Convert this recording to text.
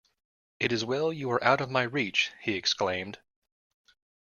‘It is well you are out of my reach,’ he exclaimed.